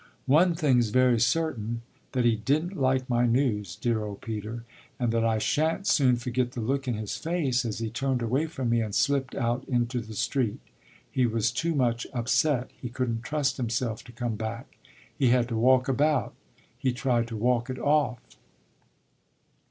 One thing's very certain that he didn't like my news, dear old Peter, and that I shan't soon forget the look in his face as he turned away from me and slipped out into the street. He was too much upset he couldn't trust himself to come back; he had to walk about he tried to walk it off."